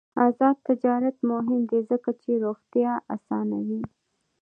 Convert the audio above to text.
آزاد تجارت مهم دی ځکه چې روغتیا اسانوي.